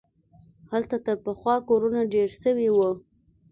هلته تر پخوا کورونه ډېر سوي وو.